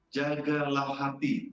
jaga lau hati